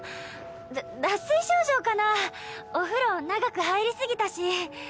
だ脱水症状かなぁお風呂長く入り過ぎたし。